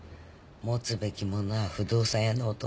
もつべきものは不動産屋の弟。